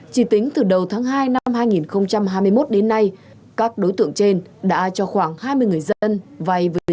chỉ tính từ đầu tháng hai năm hai nghìn hai mươi một đến nay các đối tượng trên đã cho khoảng hai mươi người dân vai